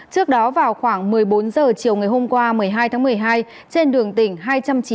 trước đó vào khoảng một mươi bốn h chiều ngày hôm qua một mươi hai tháng một mươi hai trên đường tỉnh hai trăm chín mươi